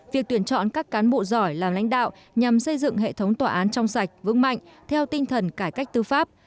việc tuyển chọn các cán bộ giỏi làm lãnh đạo nhằm xây dựng hệ thống tòa án trong sạch vững mạnh theo tinh thần cải cách tư pháp